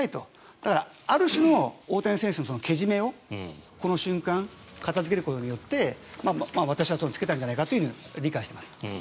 だから、ある種の大谷選手のけじめを、この瞬間片付けることによって私はつけたんじゃないかと理解しています。